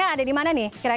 terima kasih baiklah